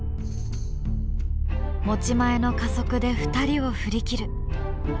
持ち前の加速で２人を振り切る。